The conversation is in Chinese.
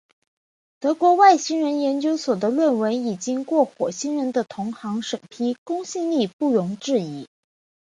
德国外星人研究所的论文已经过火星人的同行审批，公信力不容置疑。